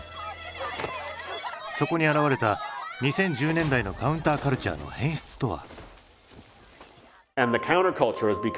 そこに表れた２０１０年代のカウンターカルチャーの変質とは？